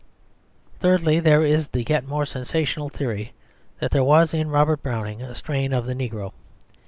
Thirdly, there is the yet more sensational theory that there was in Robert Browning a strain of the negro.